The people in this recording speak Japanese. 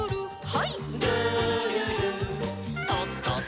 はい。